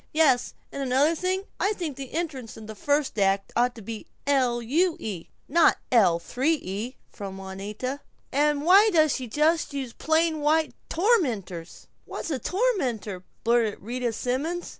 "Yes, and another thing, I think the entrance in the first act ought to be L. U. E., not L. 3 E.," from Juanita. "And why does she just use plain white tormenters?" "What's a tormenter?" blurted Rita Simons.